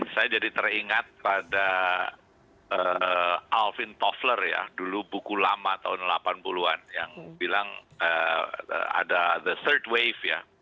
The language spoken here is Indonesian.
saya jadi teringat pada alvin tofler ya dulu buku lama tahun delapan puluh an yang bilang ada the search wave ya